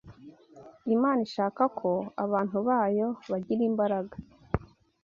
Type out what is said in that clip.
Imana ishaka ko abantu bayo bagira imbaraga